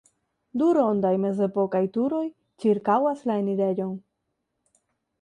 Du rondaj mezepokaj turoj ĉirkaŭas la enirejon.